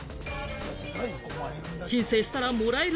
申請したらもらえる